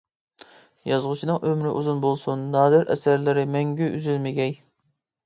يازغۇچىنىڭ ئۆمرى ئۇزۇن بولسۇن، نادىر ئەسەرلىرى مەڭگۈ ئۈزۈلمىگەي.